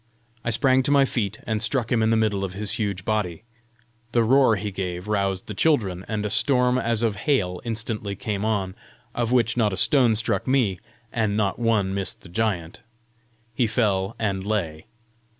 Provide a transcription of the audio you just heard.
I sprang to my feet, and struck him in the middle of his huge body. The roar he gave roused the children, and a storm as of hail instantly came on, of which not a stone struck me, and not one missed the giant. He fell and lay.